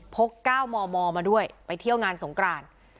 ๙มมมาด้วยไปเที่ยวงานสงกราน